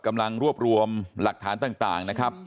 กำลังรวบรวมหลักฐานต่างนะครับ